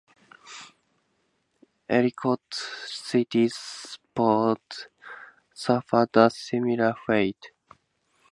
Ellicott City's port suffered a similar fate.